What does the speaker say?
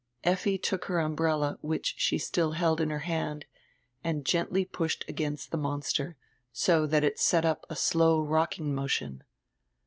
Effi took her umbrella, which she still held in her hand, and pushed gendy against die monster, so diat it set up a slow rocking motion.